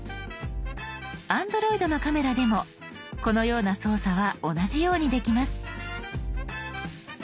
Ａｎｄｒｏｉｄのカメラでもこのような操作は同じようにできます。